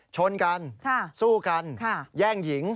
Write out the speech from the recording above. ชนกันสู้กันแย่งหญิง